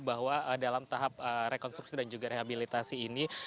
bahwa dalam tahap rekonstruksi dan juga rehabilitasi ini